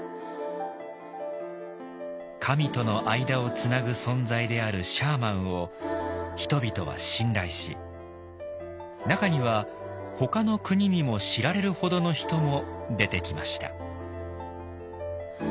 神との間をつなぐ存在であるシャーマンを人々は信頼し中にはほかのクニにも知られるほどの人も出てきました。